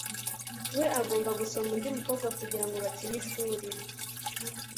we agomba gusoma undi mukobwa kugirango bakine ishuri